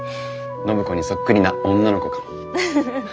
暢子にそっくりな女の子かも。